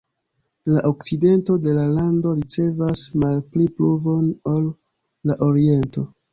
La okcidento de la lando ricevas malpli pluvon ol la oriento.